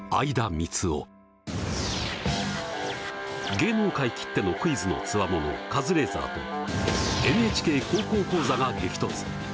芸能界きってのクイズの強者カズレーザーと「ＮＨＫ高校講座」が激突！